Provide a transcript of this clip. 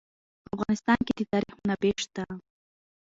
په افغانستان کې د تاریخ منابع شته.